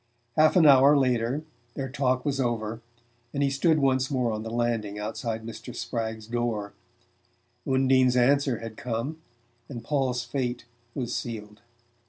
Half an hour later their talk was over and he stood once more on the landing outside Mr. Spragg's door. Undine's answer had come and Paul's fate was sealed.